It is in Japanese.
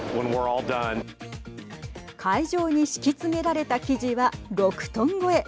会場に敷き詰められた生地は６トン超え。